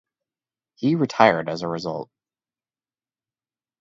He retired as a result.